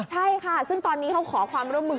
ใช่ค่ะซึ่งตอนนี้เขาขอความร่วมมือ